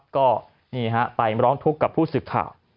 ก็ไปร้องทุกข์กับผู้ศึกข่าว